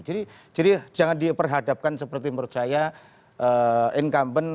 jadi jangan diperhadapkan seperti menurut saya incumbent